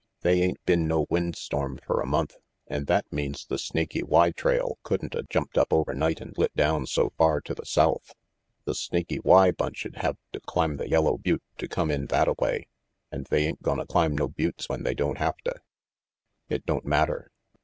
"They ain't been no windstorm fer a month, an' that means the Snaky Y trail couldn't a jumped up over night and lit down so far to the south. The Snaky Y bunch'd have to climb the Yellow Butte to come in thatta way, and they ain't gonna climb no buttes when they don't haveta." "It don't matter.